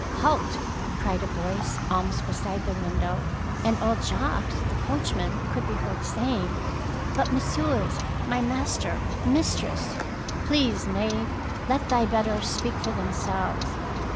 ^'Halt!" cried a voice almost be side the window, and old Jacques the coachman could be heard saying, —" But, messieurs, my master and mis tress —" Peace, knave, let thy betters speak for themselves."